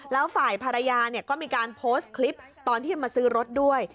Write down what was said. แล้วฝ่ายภรรยาก็มีการโพสต์คลิปตอนที่มาซื้อรถด้วย